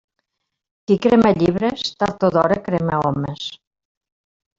Qui crema llibres, tard o d'hora crema homes.